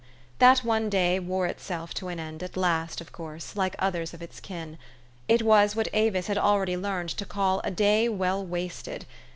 That one day wore itself to an end at last, of course, like others of its kin. It was what Avis had already learned to call a day well wasted.